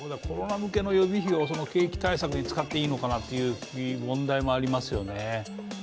コロナ向けの予備費を景気対策に使っていいのかなという問題もありますよね。